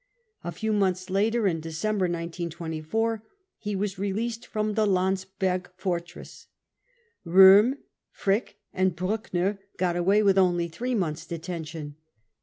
A few months later, in December 1924, he was released from the Landsberg fortress. Rohm, Frick and Bruckner got away with only three months 5 detention.